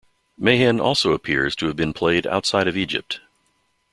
Mehen also appears to have been played outside of Egypt.